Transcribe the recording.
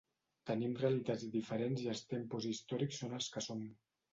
Tenim realitats diferents i els tempos històrics són els que són.